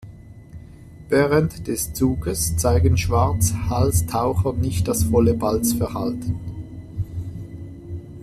Während des Zuges zeigen Schwarzhalstaucher nicht das volle Balzverhalten.